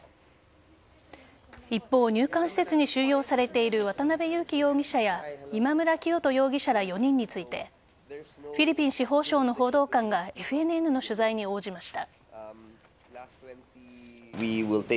一方、入管施設に収容されている渡辺優樹容疑者や今村磨人容疑者ら４人についてフィリピン司法省の報道官がＦＮＮ取材に応じました。